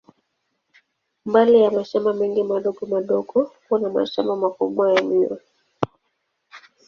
Mbali ya mashamba mengi madogo madogo, kuna mashamba makubwa ya miwa.